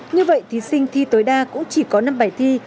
như vậy thí sinh thi tối đa cũng chỉ có năm bài thi